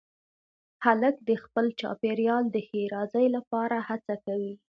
هلک د خپل چاپېریال د ښېرازۍ لپاره هڅه کوي.